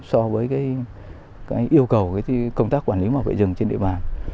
so với yêu cầu công tác quản lý bảo vệ rừng trên địa bàn